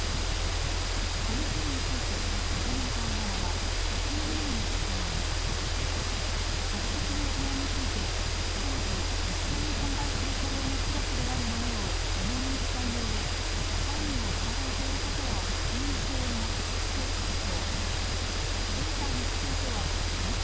この件についてビッグモーター側はＦＮＮの取材にご指摘の事案について当時、実際に販売する車両のクラスである旨を書面に記載のうえサインをいただいていることは確認しておりますと回答。